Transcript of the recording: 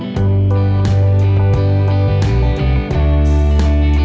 hẹn gặp lại